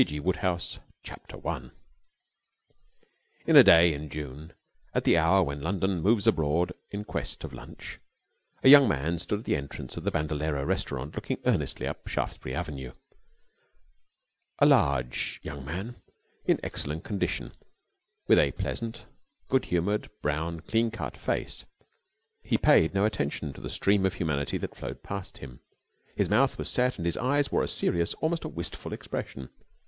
G. Wodehouse 1 In a day in June, at the hour when London moves abroad in quest of lunch, a young man stood at the entrance of the Bandolero Restaurant looking earnestly up Shaftesbury Avenue a large young man in excellent condition, with a pleasant, good humoured, brown, clean cut face. He paid no attention to the stream of humanity that flowed past him. His mouth was set and his eyes wore a serious, almost a wistful expression.